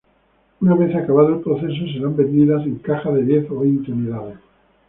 Una vez acabado el proceso serán vendidas en cajas de diez o veinte unidades.